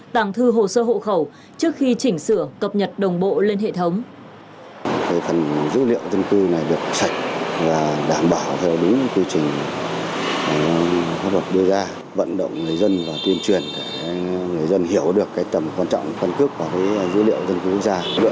tàng thư hồ sơ hộ khẩu trước khi chỉnh sửa cập nhật đồng bộ lên hệ thống